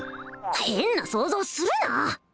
変な想像するな！